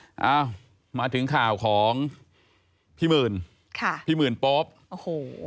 เอ้ามาถึงข่าวของพี่หมื่นค่ะพี่หมื่นโป๊ปโอ้โห